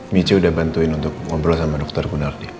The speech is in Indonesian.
michi udah bantuin untuk ngobrol sama dokter gunardi